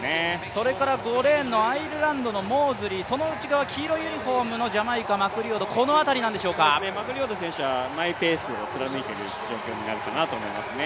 それから５レーンのアイルランドのモーズリー、その内側、黄色いユニフォームのジャマイカ、マクリオドマクリオド選手はマイペースを貫いている状況になるかなと思いますね。